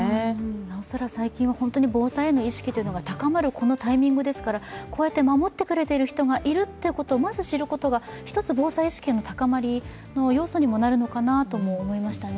なおさら最近は防災への意識が高まるこのタイミングですから守ってくれている人がいるということをまず知ることが、一つ防災意識の高まりの要素にもなるのかなと思いましたね。